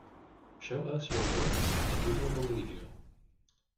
Show us your works and we will believe you!